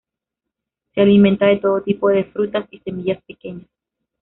Se alimentan de todo tipo de frutas y semillas pequeñas.